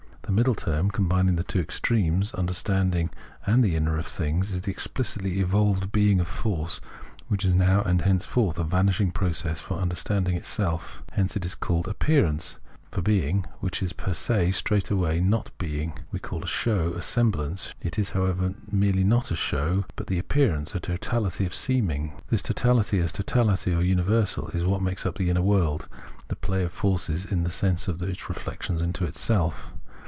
The middle term combining the two extremes, understanding and the inner of things, is the explicitly evolved being of force, which is now and henceforth a vanishing process for understanding itself. Hence it is called Appearance (Erscheinung) ; for being which is per se straightway non being we call a show, a semblance (Schein). It is, however, not merely a show, but appearance, a totality of seeming {Schein). This totahty as totahty or universal is what makes up the inner world, the play of forces Understanding 137 in the sense of its rejlection into itself.